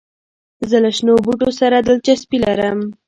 زه له شنو بوټو سره دلچسپي لرم.